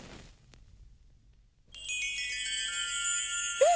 えっ！